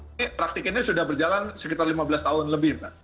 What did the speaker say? ini praktik ini sudah berjalan sekitar lima belas tahun lebih mbak